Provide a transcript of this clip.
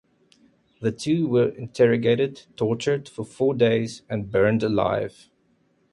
The two were interrogated, tortured for four days, and burned alive.